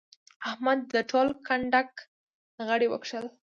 احمد د ټول کنډک غړي وکښل.